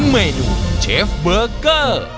เมนูเชฟเบอร์เกอร์